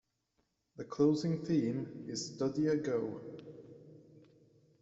The closing theme is Study A Go!